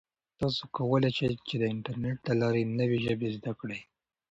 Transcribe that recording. تاسو کولای شئ چې د انټرنیټ له لارې نوې ژبې زده کړئ.